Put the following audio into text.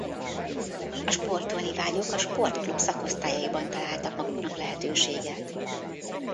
A sportolni vágyók a sportklub szakosztályaiban találtak maguknak lehetőséget.